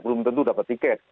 belum tentu dapat tiket